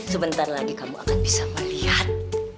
sebentar lagi kamu akan bisa melihat